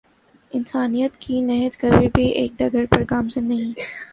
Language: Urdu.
انسانیت کی نہج کبھی بھی ایک ڈگر پر گامزن نہیں